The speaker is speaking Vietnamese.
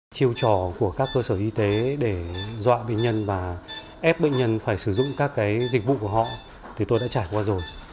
chiêu trò của các cơ sở y tế để dọa bệnh nhân và ép bệnh nhân phải sử dụng các dịch vụ của họ thì tôi đã trải qua rồi